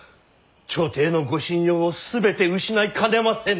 朝廷のご信用を全て失いかねませぬ。